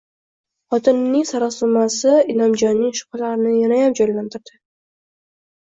Xotinining sarosimasi Inomjonning shubhalarini yanayam jonlantirdi